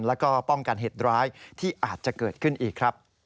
และป้องกันเหตุร้ายที่อาจจะเกิดขึ้นอีก